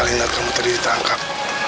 kalingan kamu terdiri tangkap